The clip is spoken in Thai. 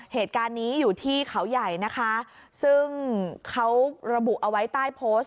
เหตุการณ์นี้อยู่ที่เขาใหญ่นะคะซึ่งเขาระบุเอาไว้ใต้โพสต์